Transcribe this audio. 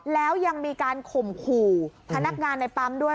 แล้วยังมีการข่มขู่พนักงานในปั๊มด้วย